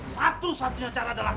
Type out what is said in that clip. satu satunya cara adalah